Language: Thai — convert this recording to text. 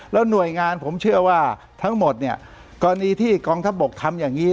แล้วหน่วยงานผมเชื่อว่าทั้งหมดเนี่ยกรณีที่กองทัพบกทำอย่างนี้